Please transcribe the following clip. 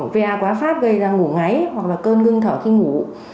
va quá phát gây ra ngổ ngáy hoặc là cơn ngưng thở khi ngủ